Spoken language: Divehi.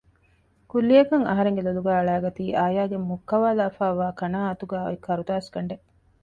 ކުއްލިއަކަށް އަހަރެންގެ ލޮލުގައި އަޅައިގަތީ އާޔާގެ މުއްކަވާލައިފައިވާ ކަނާއަތުގައި އޮތް ކަރުދާސް ގަނޑެއް